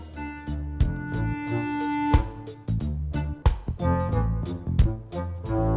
pokoknya kang bisa dapat untukanson